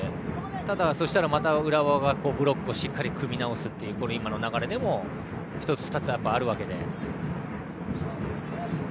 ただ、そうしたら浦和がブロックをしっかり組み直すという今の流れでも、１つ２つとやっぱりあるわけで。